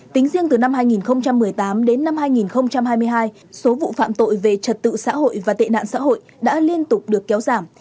tính riêng từ năm hai nghìn một mươi tám đến năm hai nghìn hai mươi hai số vụ phạm tội về trật tự xã hội và tệ nạn xã hội đã liên tục được kéo giảm